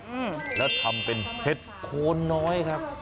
อืมแล้วทำเป็นเห็ดโคนน้อยครับ